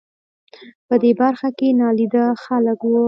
په دې برخه کې نابلده خلک و.